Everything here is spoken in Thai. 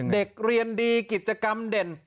เด็กเรียนดีกิจกรรมเด่น